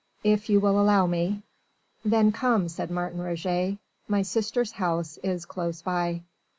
"If you will allow me." "Then come," said Martin Roget. "My sister's house is close by."